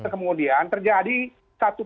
kemudian terjadi satu